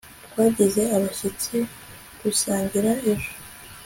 twagize abashyitsi gusangira ejo